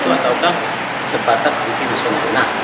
ataukah sebatas tv nasional